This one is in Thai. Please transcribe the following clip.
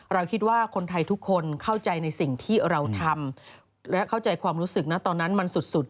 เราคิดว่าคนไทยทุกคนเข้าใจในสิ่งที่เราทำและเข้าใจความรู้สึกนะตอนนั้นมันสุด